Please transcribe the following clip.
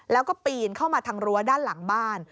แล้วก็ปีนเข้ามาทางรั้วด้านหลังบ้าน